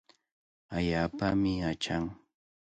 Allaapami achan.